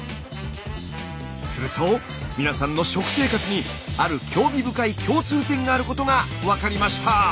すると皆さんの食生活にある興味深い共通点があることが分かりました。